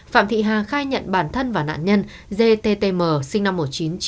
phạm thị hà khai nhận bản thân và nạn nhân dttm sinh năm một nghìn chín trăm chín mươi bảy